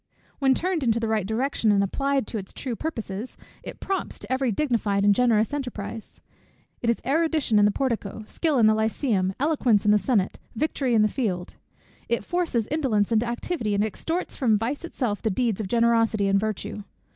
When turned into the right direction, and applied to its true purposes, it prompts to every dignified and generous enterprise. It is erudition in the portico, skill in the lycæum, eloquence in the senate, victory in the field. It forces indolence into activity, and extorts from vice itself the deeds of generosity and virtue.